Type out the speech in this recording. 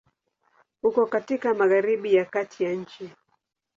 Uko katika Magharibi ya kati ya nchi.